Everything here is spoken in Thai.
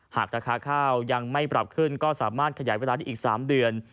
หากราคาข้าวยังไม่ปรับขึ้นก็สามารถขยายเวลาได้อีก๓เดือน